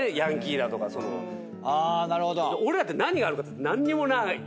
俺らって何があるかって何にもない。